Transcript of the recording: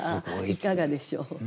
いかがでしょう？